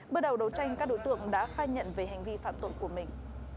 bước đầu đấu tranh các đối tượng đã khai nhận về hành vi phạm tội của mình